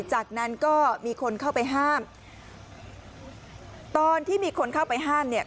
จากนั้นก็มีคนเข้าไปห้ามตอนที่มีคนเข้าไปห้ามเนี่ย